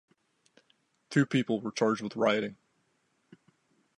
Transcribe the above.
Two people were charged with rioting.